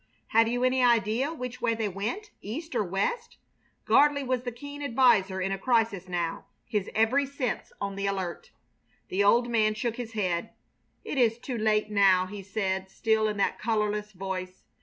"Have you any idea which way they went, east or west?" Gardley was the keen adviser in a crisis now, his every sense on the alert. The old man shook his head. "It is too late now," he said, still in that colorless voice.